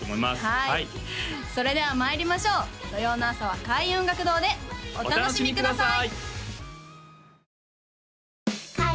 はいそれではまいりましょう土曜の朝は開運音楽堂でお楽しみください